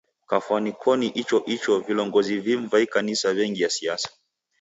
Kwafwani koni icho icho, vilongozi vimu va ikanisa w'engia siasa.